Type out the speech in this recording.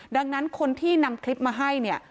ดังนั้นคนที่นำคลิปมาให้เนี่ย